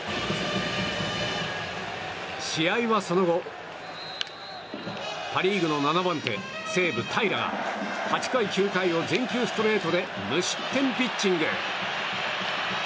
試合はその後パ・リーグの西武、平良が８回、９回を全球ストレートで無失点ピッチング。